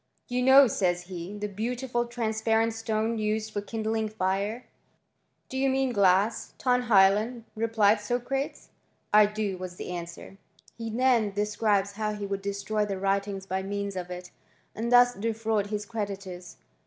" You know," says he, " the beautiM laparent stone used for kindling fire." '' Do you wa glass (rov tioXov, ton AyaZon)?" replied Socrates. '< I " was the answer. He then describes how he would troy the writings by means of it, and thus defraud creditors.